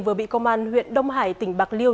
vừa bị công an huyện đông hải tỉnh bạc liêu